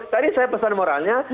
tadi saya pesan moralnya